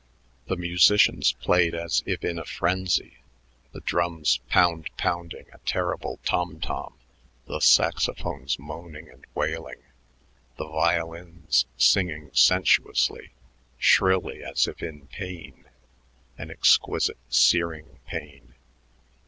The musicians played as if in a frenzy, the drums pound pounding a terrible tom tom, the saxophones moaning and wailing, the violins singing sensuously, shrilly as if in pain, an exquisite searing pain.